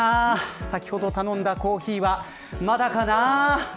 先ほど頼んだコーヒーはまだかな。